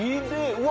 うわ。